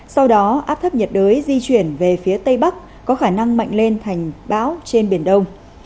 sau đó áp thấp nhiệt đới di chuyển về phía tây bắc có khả năng mạnh lên thành bão trên biển đông